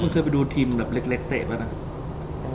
มึงเคยไปดูทีมแบบเล็กเตะป่ะนะ